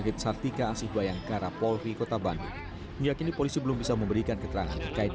kita minta supaya hak asuh anak memang diberikan kepada pak ahok